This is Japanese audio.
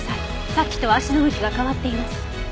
さっきとは足の向きが変わっています。